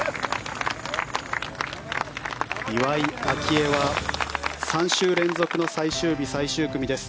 愛は３週連続の最終日、最終組です。